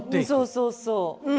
そうそうそう。